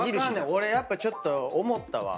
俺やっぱちょっと思ったわ。